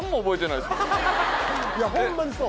いやホンマにそう。